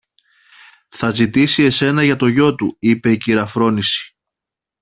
Θα ζητήσει εσένα για το γιο του, είπε η κυρα-Φρόνηση.